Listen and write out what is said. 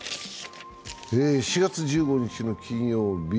４月１５日の金曜日。